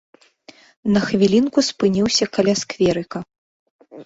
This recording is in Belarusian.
На хвілінку спыніўся каля скверыка.